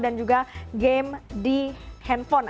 dan juga game di handphone